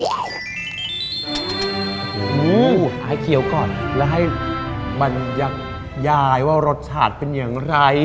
โอ้โหให้เขียวก่อนแล้วให้บรรยักษ์ยายว่ารสชาติเป็นอย่างไร